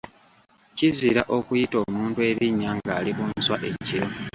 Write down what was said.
Kizira okuyita omuntu erinnya ng’ali ku nswa ekiro.